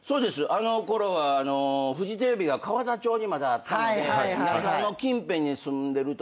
あのころはフジテレビが河田町にまだあったので中野近辺に住んでると。